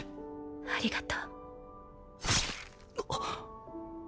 ありがとう。